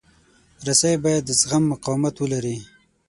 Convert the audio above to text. رسۍ باید د زغم قوت ولري.